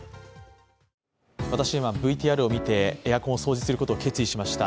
私、今、ＶＴＲを見て、エアコン掃除することを決意しました。